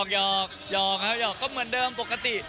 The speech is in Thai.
ยอกก็เหมือนเดิมปกติ